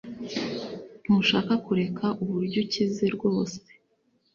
Ntushaka kureka uburyo ukize rwose